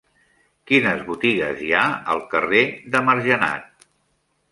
Quines botigues hi ha al carrer de Margenat?